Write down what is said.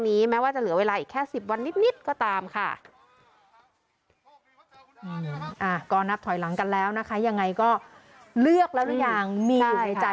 มีอยู่ในใจแล้วหรือยังนะคะ